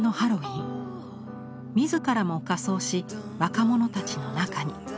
自らも仮装し若者たちの中に。